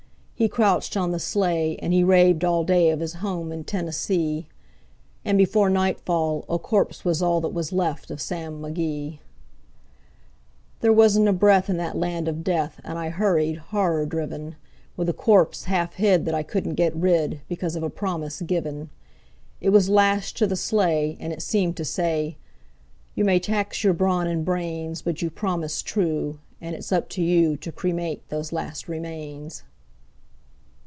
He crouched on the sleigh, and he raved all day of his home in Tennessee; And before nightfall a corpse was all that was left of Sam McGee. There wasn't a breath in that land of death, and I hurried, horror driven, With a corpse half hid that I couldn't get rid, because of a promise given; It was lashed to the sleigh, and it seemed to say: "You may tax your brawn and brains, But you promised true, and it's up to you to cremate those last remains."